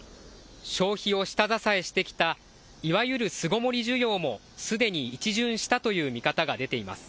消費を下支えしてきたいわゆる巣ごもり需要も、すでに一巡したという見方が出ています。